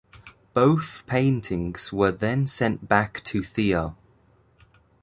Both paintings were then sent back to Theo.